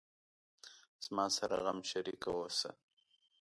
زما سره غم شریک اوسه